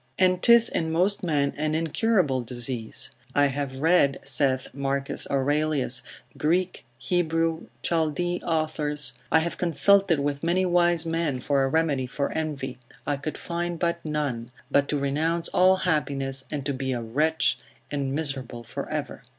And 'tis in most men an incurable disease. I have read, saith Marcus Aurelius, Greek, Hebrew, Chaldee authors; I have consulted with many wise men for a remedy for envy, I could find none, but to renounce all happiness, and to be a wretch, and miserable for ever.